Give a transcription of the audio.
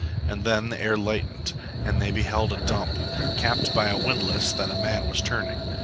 And then the air lightened, and they beheld a dump, capped by a windlass that a man was turning.